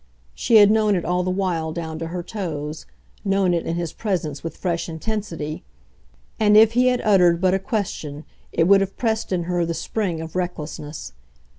She had known it all the while down to her toes, known it in his presence with fresh intensity, and if he had uttered but a question it would have pressed in her the spring of recklessness.